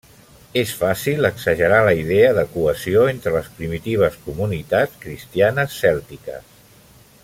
És fàcil exagerar la idea de cohesió entre les primitives comunitats cristianes cèltiques.